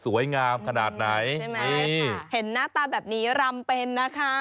งามขนาดไหนใช่ไหมเห็นหน้าตาแบบนี้รำเป็นนะคะ